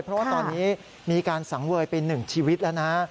เพราะว่าตอนนี้มีการสังเวยไป๑ชีวิตแล้วนะ